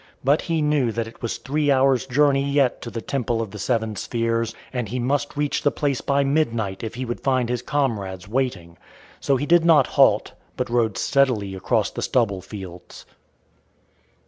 But he knew that it was three hours' journey yet to the Temple of the Seven Spheres, and he must reach the place by midnight if he would find his comrades waiting. So he did not halt, but rode steadily across the stubble fields.